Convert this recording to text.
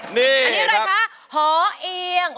อันนี้อะไรคะหอเอียง